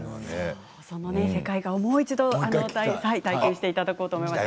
その世界観を体験していただこうと思います。